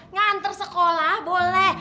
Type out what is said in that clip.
ngantar sekolah boleh